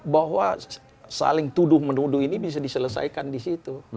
bahwa saling tuduh menuduh ini bisa diselesaikan di situ